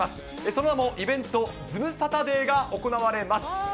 その名も、イベント、ズムサタデーが行われます。